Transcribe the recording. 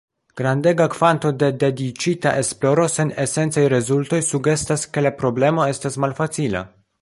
Grandega kvanto de dediĉita esploro sen esencaj rezultoj sugestas ke la problemo estas malfacila.